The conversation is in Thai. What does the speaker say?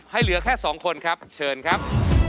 ให้เหลือแค่สองคนครับเชิญครับ